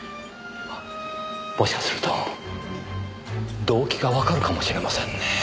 もしかすると動機がわかるかもしれませんねぇ。